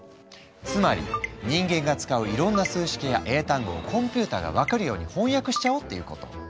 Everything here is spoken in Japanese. つまり人間が使ういろんな数式や英単語をコンピューターが分かるように翻訳しちゃおうっていうこと。